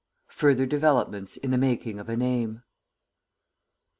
FURTHER DEVELOPMENTS IN THE MAKING OF A NAME.